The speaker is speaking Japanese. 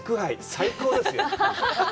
最高です。